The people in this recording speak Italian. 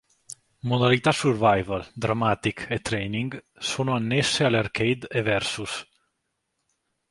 Modalità Survival, Dramatic e Training sono annesse alle Arcade e Versus.